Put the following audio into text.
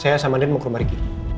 saya sama den mau ke rumah riki